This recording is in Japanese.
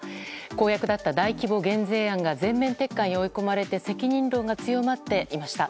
公約だった大規模減税案が全面撤回に追い込まれて責任論が強まっていました。